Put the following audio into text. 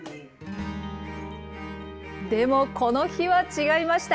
でもこの日は違いました。